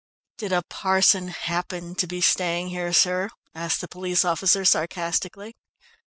"Did a parson happen to be staying here, sir?" asked the police officer sarcastically.